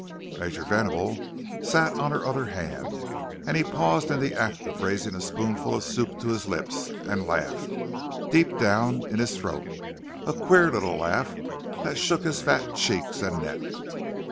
Major Venable sat on her other hand, and he paused in the act of raising a spoonful of soup to his lips, and laughed, deep down in his throat—a queer little laugh that shook his fat cheeks and neck.